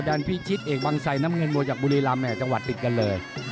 พิชิตเอกวังใส่น้ำเงินมวยจากบุรีรำแห่จังหวัดติดกันเลย